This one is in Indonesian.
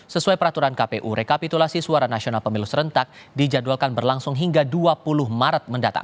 sesuai peraturan kpu rekapitulasi suara nasional pemilu serentak dijadwalkan berlangsung hingga dua puluh maret mendatang